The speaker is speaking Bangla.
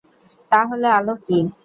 তা হলে আলো কী?